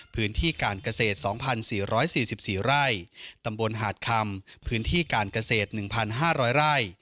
พื้นที่การเกษตร๒๔๔ไร่ตำบลหาดคำพื้นที่การเกษตร๑๕๐๐ไร่